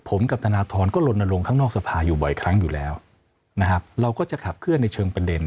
ผมกับธนทรก็ลนลงข้างนอกสภาอยู่บ่อยครั้งอยู่แล้วนะครับเราก็จะขับเคลื่อนในเชิงประเด็น